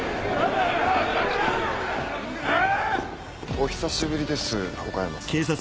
お久しぶりです岡山さん。